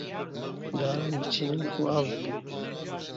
Daran biçînin û av bidin.